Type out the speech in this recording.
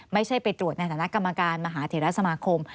ไปตรวจในฐานะกรรมการมหาเถระสมาคม